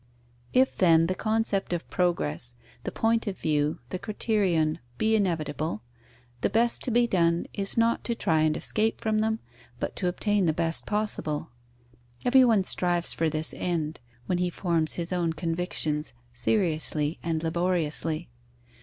If, then, the concept of progress, the point of view, the criterion, be inevitable, the best to be done is not to try and escape from them, but to obtain the best possible. Everyone strives for this end, when he forms his own convictions, seriously and laboriously.